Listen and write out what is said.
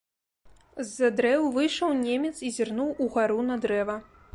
З-за дрэў выйшаў немец і зірнуў угару на дрэва.